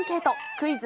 クイズ！